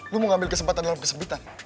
gue mau ngambil kesempatan dalam kesempitan